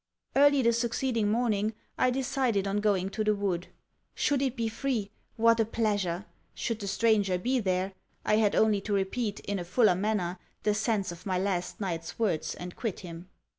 Early the succeeding morning, I decided on going to the wood. Should it be free what a pleasure! Should the stranger be there I had only to repeat, in a fuller manner, the sense of my last night's words and quit him.